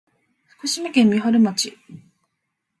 福島県三春町